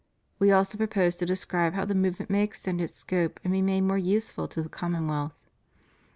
We also propose to describe how the movement may extend its scope and be made more useful to the commonwealth.